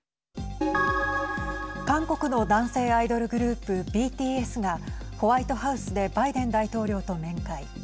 韓国の男性アイドルグループＢＴＳが、ホワイトハウスでバイデン大統領と面会。